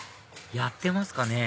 やってますかね？